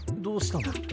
どうしたの？